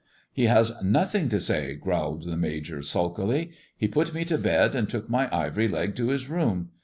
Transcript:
"He has nothing to say/' growled the Major sulkily; " he put me to bed and took my ivory leg to his room.